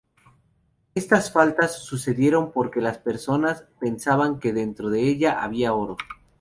Estas faltas sucedieron porque las personas pensaban que dentro de ella había oro.